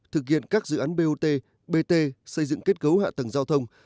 thực hiện các dự án bot bt xây dựng kết cấu hạ tầng giao thông